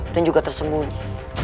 dan juga tersembunyi